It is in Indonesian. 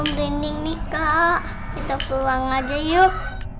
rafa merinding nih kak kita pulang aja yuk